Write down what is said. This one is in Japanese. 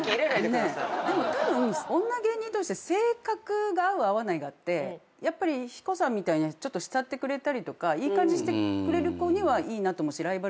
でもたぶん女芸人同士で性格が合う合わないがあってやっぱりヒコさんみたいにちょっと慕ってくれたりとかいい感じにしてくれる子にはいいなと思うしライバル心持たない。